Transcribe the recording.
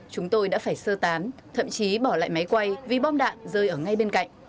chúng tôi đã phải sơ tán thậm chí bỏ lại máy quay vì bom đạn rơi ở ngay bên cạnh